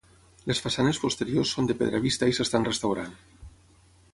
Les façanes posteriors són de pedra vista i s'estan restaurant.